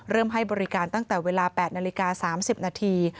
ให้บริการตั้งแต่เวลา๘นาฬิกา๓๐นาที